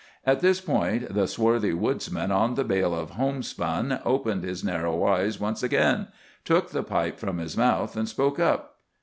At this point the swarthy woodsman on the bale of homespun opened his narrow eyes once again, took the pipe from his mouth, and spoke up.